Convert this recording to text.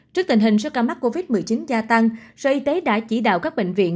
trước tình hình số ca mắc covid một mươi chín gia tăng sở y tế đã chỉ đạo các bệnh viện